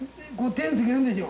点つけるんでしょ？